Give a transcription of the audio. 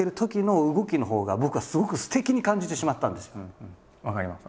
うん分かります